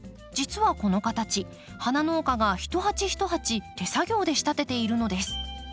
実はこの形花農家が一鉢一鉢手作業で仕立てているのです。